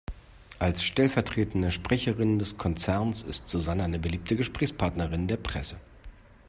Als stellvertretende Sprecherin des Konzerns ist Susanne eine beliebte Gesprächspartnerin der Presse.